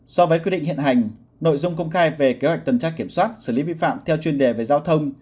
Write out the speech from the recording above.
so với quy định hiện hành nội dung công khai về kế hoạch tuần tra kiểm soát xử lý vi phạm theo chuyên đề về giao thông